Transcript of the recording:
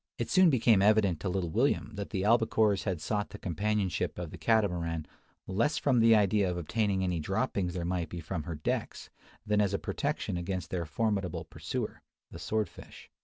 It soon became evident to little William that the albacores had sought the companionship of the Catamaran less from the idea of obtaining any droppings there might be from her decks, than as a protection against their formidable pursuer, the sword fish.